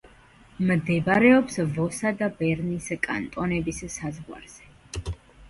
მდებარეობს ვოსა და ბერნის კანტონების საზღვარზე.